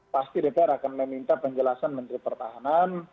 pasti dpr akan meminta penjelasan menteri pertahanan